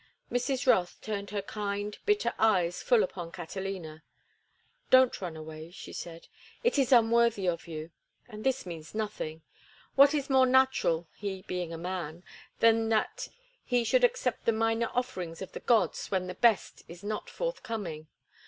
Mrs. Rothe turned her kind, bitter eyes full upon Catalina. "Don't run away," she said. "It is unworthy of you. And this means nothing. What is more natural—he being a man—than that he should accept the minor offerings of the gods when the best is not forthcoming?